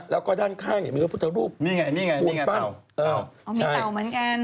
แล้วก็ด้านข้างมีพุทธรูปปูนปั้นมีเต่าเหมือนกัน